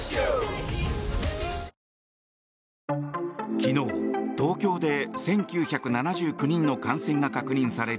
昨日、東京で１９７９人の感染が確認される